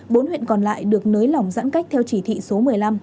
bốn huyện còn lại được nới lỏng giãn cách theo chỉ thị số một mươi năm